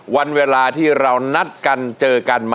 วันเวลาที่เรานัดกันเจอกัน